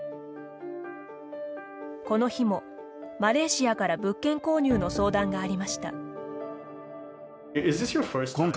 この日も、マレーシアから物件購入の相談がありました。